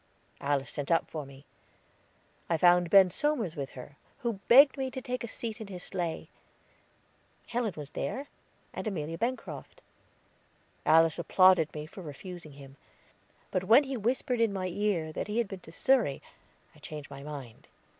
Alice sent up for me. I found Ben Somers with her, who begged me to take a seat in his sleigh. Helen was there, and Amelia Bancroft. Alice applauded me for refusing him; but when he whispered in my ear that he had been to Surrey I changed my mind.